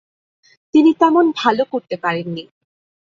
তিনি তেমন ভালো করতে পারেননি।